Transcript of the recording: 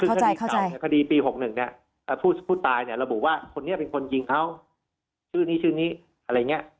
คือคดีปี๖๑พูดตายเราบอกว่าคนนี้เป็นคนยิงเขาชื่อนี้ชื่อนี้อะไรอย่างนี้